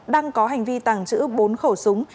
đang có hành vi tàng trữ bốn khẩu súng